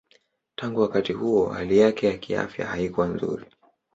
Tangu wakati huo hali yake ya kiafya haikuwa nzuri.